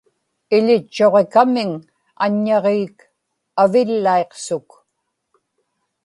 iḷitchuġikamiŋ aññaġiik avillaiqsuk